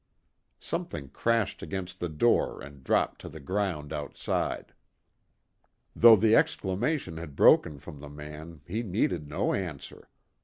Something crashed against the door and dropped to the ground outside. Though the exclamation had broken from the man he needed no answer.